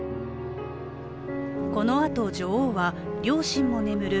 このあと女王は両親も眠る